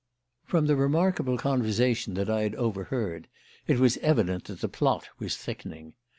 From the remarkable conversation that I had overheard it was evident that the plot was thickening.